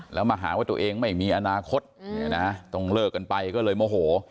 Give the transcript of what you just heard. แล้วมาหาว่าตัวเองไม่มีอนาคตต้องเลิกกันไปก็เลยโมโห